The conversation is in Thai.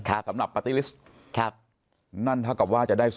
ครับ